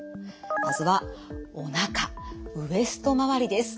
まずはおなかウエスト周りです。